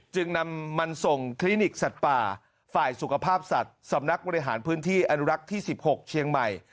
จึงนำมันส่งคลินิกสัตว์ป่าฝ่ายสุขภาพสัตว์สำนักบริหารพื้นที่อนุรักษ์ที่๑๖เชียงใหม่